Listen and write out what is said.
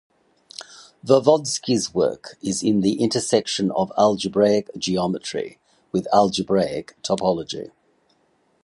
Voevodsky's work is in the intersection of algebraic geometry with algebraic topology.